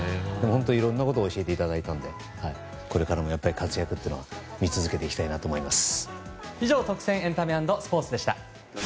本当にいろんなことを教えていただいたのでこれからも活躍を見続けていきたいなと思います。